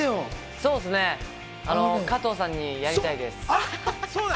そうっすね、加藤さんにやりたいと思います。